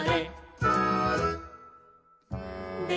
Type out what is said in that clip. で